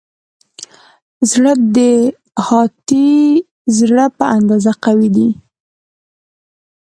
زړه د هاتي زړه په اندازه قوي دی.